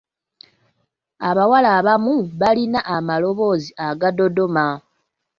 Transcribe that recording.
Abawala abamu balina amaloboozi agadoodooma!